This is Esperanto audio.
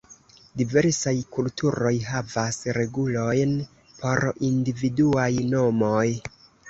Diversaj kulturoj havas regulojn por individuaj nomoj.